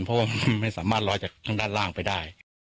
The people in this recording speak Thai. เพราะว่าไม่สามารถลอยจากทางด้านล่างไปได้